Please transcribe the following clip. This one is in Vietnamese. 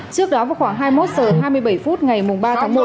trước đó vào khoảng hai mươi một h hai mươi bảy phút ngày ba tháng một